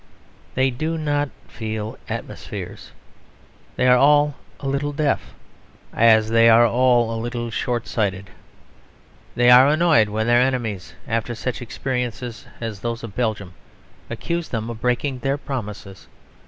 They do not feel atmospheres. They are all a little deaf; as they are all a little short sighted. They are annoyed when their enemies, after such experiences as those of Belgium, accuse them of breaking their promises.